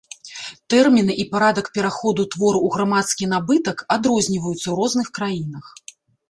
Тэрміны і парадак пераходу твору ў грамадскі набытак адрозніваюцца ў розных краінах.